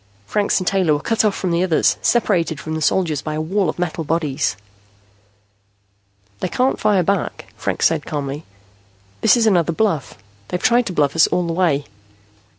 Franks and Taylor were cut off from the others, separated from the soldiers by a wall of metal bodies. "They can't fire back," Franks said calmly. "This is another bluff. They've tried to bluff us all the way."